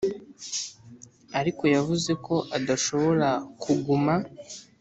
ariko yavuze ko adashobora kuguma.